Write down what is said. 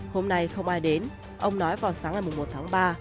hôm nay không ai đến ông nói vào sáng ngày một tháng ba